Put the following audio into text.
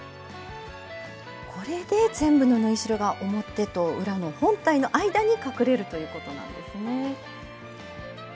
これで全部の縫い代が表と裏の本体の間に隠れるということなんですね。